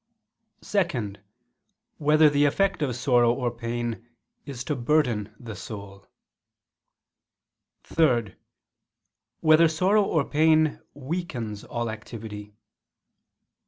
(2) Whether the effect of sorrow or pain is to burden the soul? (3) Whether sorrow or pain weakens all activity?